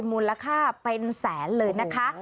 มูลค่าเป็นแสนเลยนะคะ